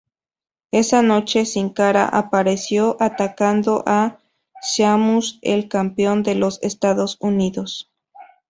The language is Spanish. Esa noche, Sin Cara apareció atacando a Sheamus, el Campeón de los Estados Unidos.